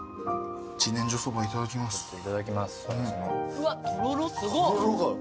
うわっとろろすごっ。